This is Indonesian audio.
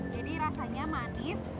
jadi rasanya manis